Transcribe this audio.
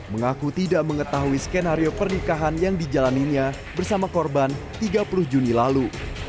mengaku tidak mengetahui skenario pernikahan yang dijalaninnya bersama korban tiga puluh juni lalu